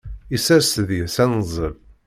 Isers deg-s anzel.